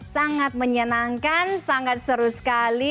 sangat menyenangkan sangat seru sekali